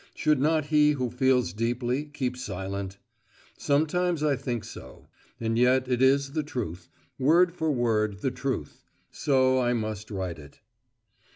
Should not he who feels deeply keep silent? Sometimes I think so. And yet it is the truth, word for word the truth; so I must write it.